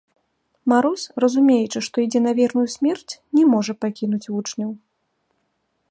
Мароз, разумеючы, што ідзе на верную смерць, не можа пакінуць вучняў.